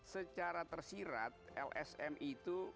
secara tersirat lsm itu punya satu ide karena ini orang sipil